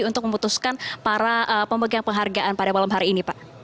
untuk memutuskan para pemegang penghargaan pada malam hari ini pak